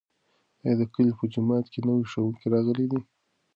ایا د کلي په جومات کې نوی ښوونکی راغلی دی؟